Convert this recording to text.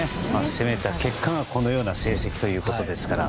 攻めた結果がこのような成績ということですから。